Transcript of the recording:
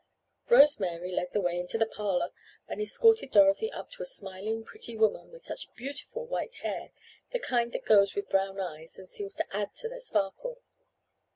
Rose Mary led the way into the parlor and escorted Dorothy up to a smiling, pretty woman, with such beautiful white hair—the kind that goes with brown eyes and seems to add to their sparkle.